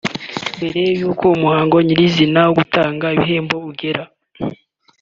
Mbere y’uko umuhango nyir’izina wo gutanga ibihembo ugera